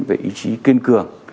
về ý chí kiên cường